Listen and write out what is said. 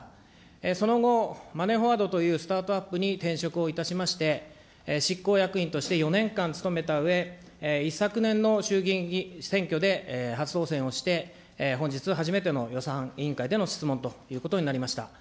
その後、マネーフォワードというスタートアップに転職をいたしまして、執行役員として４年間勤めたうえ、一昨年の衆議院選挙で初当選をして、本日初めての予算委員会での質問ということになりました。